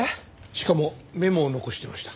しかもメモを残してました。